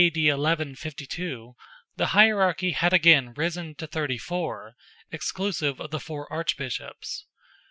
D. 1152), the hierarchy had again risen to thirty four, exclusive of the four Archbishops.